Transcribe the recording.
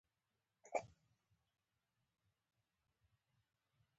ځان ارزونه پیچلتیا او له خپل اصل څخه لرې والې له منځه وړي.